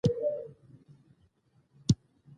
په سطحه او کچه یې خبرې کېدای شي.